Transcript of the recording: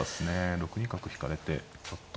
６二角引かれてちょっと。